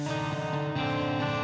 masih kuduk ya